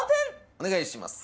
お願いします。